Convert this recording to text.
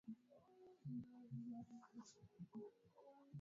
Sababu njingi huchangia kupata mavuno ya tofauti